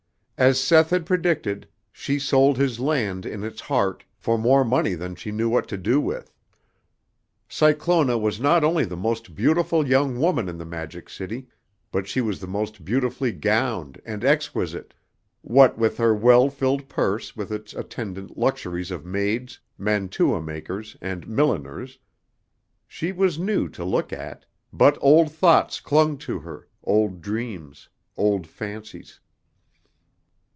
As Seth had predicted, she sold his land in its heart for more money than she knew what to do with. Cyclona was not only the most beautiful young woman in the Magic City, but she was the most beautifully gowned and exquisite, what with her well filled purse with its attendant luxuries of maids, mantua makers and milliners. She was new to look at, but old thoughts clung to her, old dreams, old fancies.